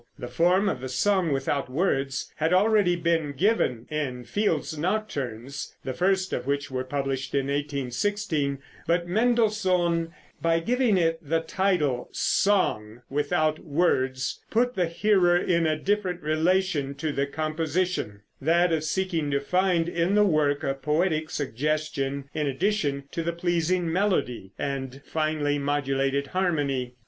The form of the song without words had already been given in Field's nocturnes, the first of which were published in 1816; but Mendelssohn, by giving it the title, "Song, without Words," put the hearer in a different relation to the composition that of seeking to find in the work a poetic suggestion in addition to pleasing melody and finely modulated harmony.